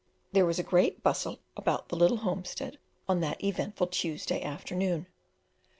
There was a great bustle about the little homestead on that eventful Tuesday afternoon.